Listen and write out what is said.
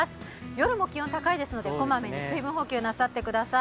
夜も気温、高いですので、こまめに水分補給なさってください。